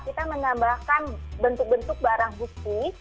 kita menambahkan bentuk bentuk barang bukti